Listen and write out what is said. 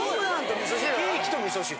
ケーキと味噌汁？